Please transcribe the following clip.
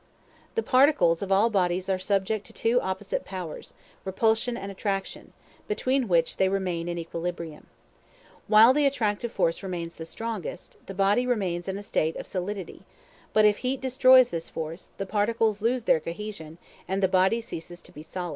The particles of all bodies are subject to two opposite powers, repulsion and attraction; between which they remain in equilibrium. While the attractive force remains strongest, the body remains in a state of solidity; but if heat destroys this force, the particles lose their cohesion, and the body ceases to be solid.